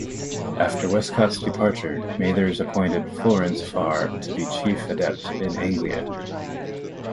After Westcott's departure, Mathers appointed Florence Farr to be Chief Adept in Anglia.